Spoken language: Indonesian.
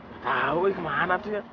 gak tau kemana tuh ya